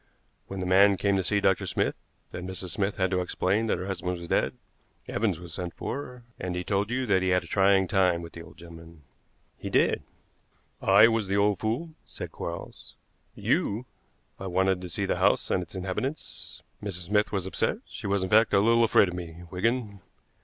When the man came to see Dr. Smith, and Mrs. Smith had to explain that her husband was dead, Evans was sent for, and he told you that he had had a trying time with the old gentleman." "He did." "I was the old fool," said Quarles. "You?" "I wanted to see the house and its inhabitants. Mrs. Smith was upset; she was, in fact, a little afraid of me, Wigan.